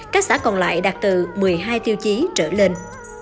các xã còn lại đạt từ một mươi hai tiêu chí trở lên